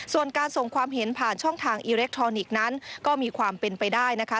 ส่วนการส่งความเห็นผ่านช่องทางอิเล็กทรอนิกส์นั้นก็มีความเป็นไปได้นะคะ